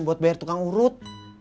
buat bayar tukang urut